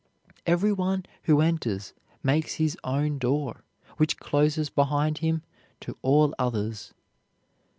Every one who enters makes his own door, which closes behind him to all others.